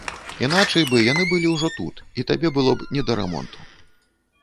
Іначай бы яны былі ўжо тут, і табе было б не да рамонту.